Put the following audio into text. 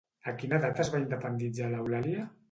A quina edat es va independitzar l'Eulàlia?